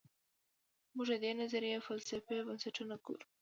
موږ د دې نظریې فلسفي بنسټونه ګورو.